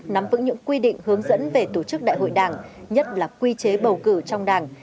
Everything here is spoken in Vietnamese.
nắm vững những quy định hướng dẫn về tổ chức đại hội đảng nhất là quy chế bầu cử trong đảng